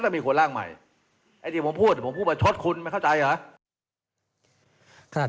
สถานการณ์จะไม่ไปจนถึงขั้นนั้นครับ